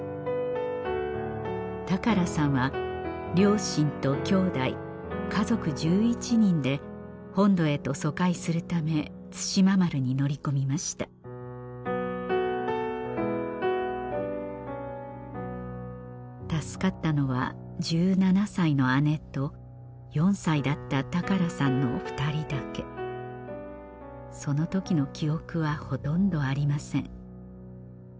良さんは両親ときょうだい家族１１人で本土へと疎開するため対馬丸に乗り込みました助かったのは１７歳の姉と４歳だった良さんの２人だけその時の記憶はほとんどありません